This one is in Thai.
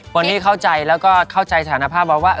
วันนี้เข้าใจแล้วก็เข้าใจสถานภาพเราว่า